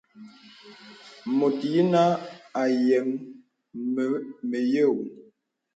Mùt yīnə à yəŋ mə məyō.